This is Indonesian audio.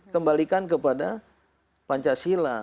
kembalikan kepada pancasila